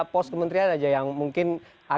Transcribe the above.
pos kementerian aja yang mungkin